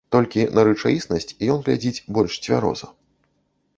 Толькі на рэчаіснасць ён глядзіць больш цвяроза.